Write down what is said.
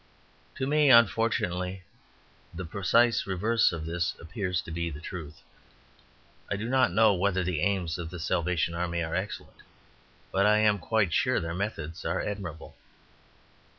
To me, unfortunately, the precise reverse of this appears to be the truth. I do not know whether the aims of the Salvation Army are excellent, but I am quite sure their methods are admirable.